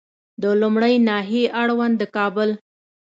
د لومړۍ ناحیې اړوند د کابل